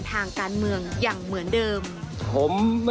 ทางการเมืองอย่างเหมือนเดิม